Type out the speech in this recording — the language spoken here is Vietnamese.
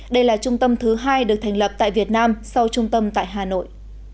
đây là trung tâm thứ hai được thành lập tại việt nam sau trung tâm tại hà nội